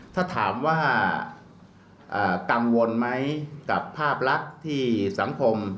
ถ้าถามว่ากังวลไหมกับภาพลักษณ์ที่สังคม